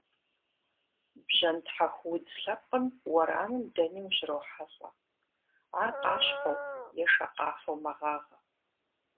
Бжэнтхьэху удз лъэпкъым уэрамым дэни ущрохьэлӏэ, ар къащхъуэу е шакъафэу мэгъагъэ.